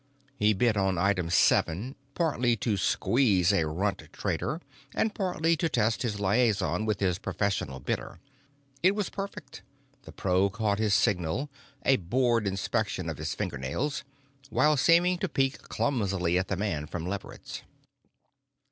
He bid on Item Seven partly to squeeze a runt trader and partly to test his liaison with his professional bidder. It was perfect; the pro caught his signal—a bored inspection of his fingernails—while seeming to peek clumsily at the man from Leverett's.